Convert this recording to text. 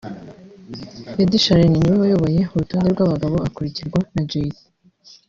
Ed Sheeran ni we wayoboye urutonde rw’abagabo akurikirwa na Jay-Z